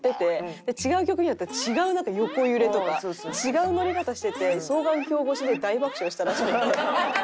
で違う曲になったら違うなんか横揺れとか違うノリ方してて双眼鏡越しで大爆笑したらしくて。